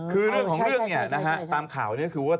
คือเรื่องของเรื่องเนี่ยนะฮะตามข่าวนี้ก็คือว่า